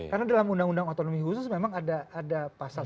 karena dalam undang undang otonomi khusus memang ada pasal